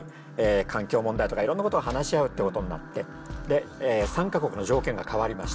環境問題とかいろんなことを話し合うってことになって参加国の条件が変わりました。